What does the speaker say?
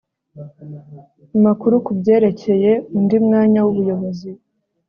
amakuru ku byerekeye undi mwanya w ubuyobozi